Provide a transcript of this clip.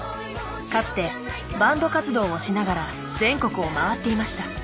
かつてバンド活動をしながら全国を回っていました。